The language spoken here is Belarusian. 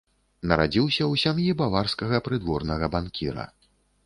Нарадзіўся ў сям'і баварскага прыдворнага банкіра.